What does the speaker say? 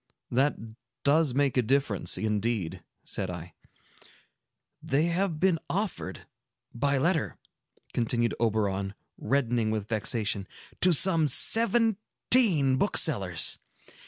"That does make a difference, indeed," said I. "They have been offered, by letter," continued Oberon, reddening with vexation, "to some seventeen booksellers.